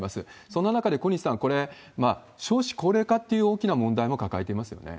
そんな中で小西さん、これ、少子高齢化という大きな問題も抱えていますよね。